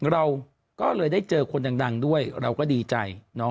เราก็เลยได้เจอคนดังด้วยเราก็ดีใจ